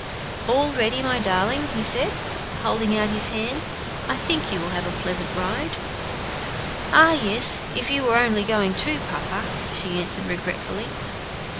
"All ready, my darling?" he said, holding out his hand; "I think you will have a pleasant ride." "Ah! yes, if you were only going too, papa," she answered regretfully.